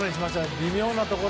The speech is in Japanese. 微妙なところ。